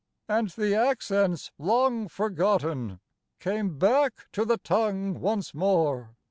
" And the accents, long forgotten, Came back to the tongue once more.